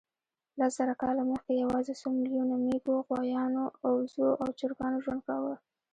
لس زره کاله مخکې یواځې څو میلیونو مېږو، غویانو، اوزو او چرګانو ژوند کاوه.